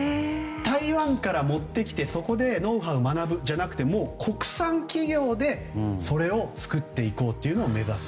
台湾から持ってきてそこでノウハウを学ぶじゃなくてもう国産企業で作っていこうというのを目指す。